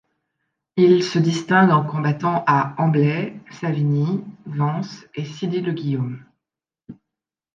Ils se distinguent en combattant à Ambley, Savigny, Vance et Silly-le-Guillaume.